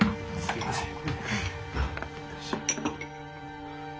すいません。